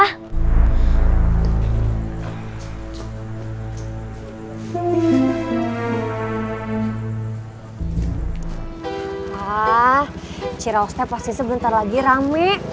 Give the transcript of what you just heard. ah cirewaste pasti sebentar lagi rame